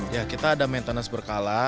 ya kita ada maintenance berkala